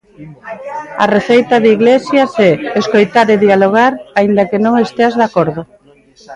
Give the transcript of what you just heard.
A receita de Iglesias é "escoitar e dialogar, aínda que non esteas de acordo".